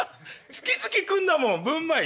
月々来んだもんぶんまい。